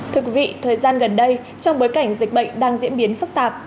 thực vị thời gian gần đây trong bối cảnh dịch bệnh đang diễn biến phức tạp